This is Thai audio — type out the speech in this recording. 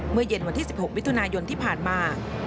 เมื่อเย็นวันที่๑๖วิทยุนายนที่ผ่านมา